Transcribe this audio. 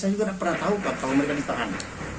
saya juga tidak pernah tahu kalau mereka ditahan